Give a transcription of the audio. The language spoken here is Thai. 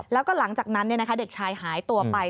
แล้วก็หลังจากนั้นเด็กชายหายตัวไป